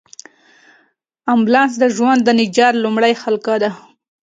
امبولانس د ژوند د نجات لومړۍ حلقه ده.